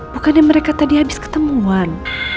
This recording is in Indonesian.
bukannya mereka tadi habis ketemuan